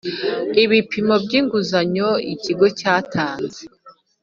Ibipimo by inguzanyo ikigo cyatanze